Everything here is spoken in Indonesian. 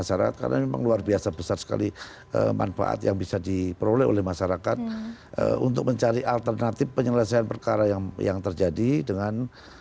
karena memang luar biasa besar sekali manfaat yang bisa diperoleh oleh masyarakat untuk mencari alternatif penyelesaian perkara yang terjadi dengan